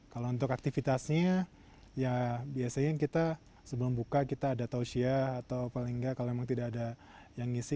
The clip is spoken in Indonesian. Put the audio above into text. kalau untuk aktivitasnya ya biasanya kita sebelum buka kita ada tausiah atau paling enggak kalau memang tidak ada yang ngisi